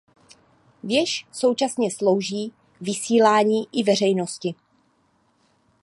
Věž současně slouží vysílání i veřejnosti.